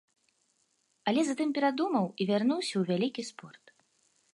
Але затым перадумаў і вярнуўся ў вялікі спорт.